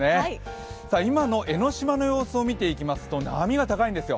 今の江の島の様子を見ていきますと、波が高いんですよ。